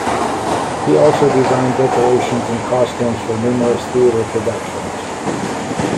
He also designed decorations and costumes for numerous theatre productions.